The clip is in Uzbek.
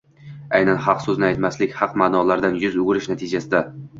Aynan haq so‘zni aytmaslik, haq ma’nolardan yuz o‘girish natijasida